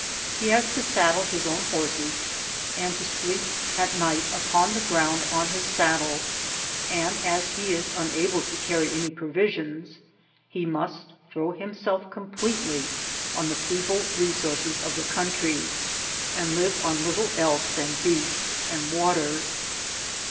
He has to saddle his own horses, and to sleep at night upon the ground on his saddle ; and as he is unable to carry any provisions, he must throw him* self completely on the feeble resources of the coun try, and live on little else than beef and water.